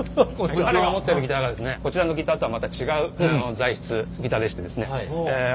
彼が持ってるギターがですねこちらのギターとはまた違う材質ギターでしてですね。